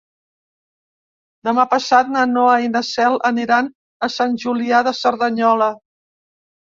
Demà passat na Noa i na Cel aniran a Sant Julià de Cerdanyola.